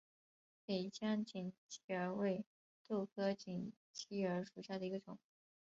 北疆锦鸡儿为豆科锦鸡儿属下的一个种。